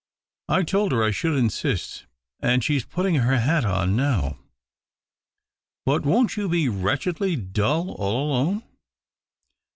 [ told her I should insist, and she's putting ler hat on now." " But won't you be wretchedly dull all done?"